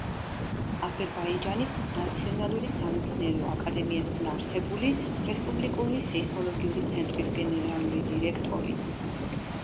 აზერბაიჯანის ნაციონალური სამეცნიერო აკადემიასთან არსებული რესპუბლიკური სეისმოლოგიური ცენტრის გენერალური დირექტორი.